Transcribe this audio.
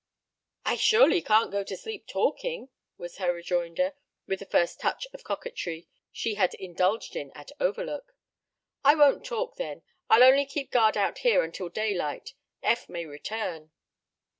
"I surely can't go to sleep talking," was her rejoinder, with the first touch of coquetry she had indulged in at Overlook. "I won't talk, then. I'll only keep guard out here until daylight. Eph may return."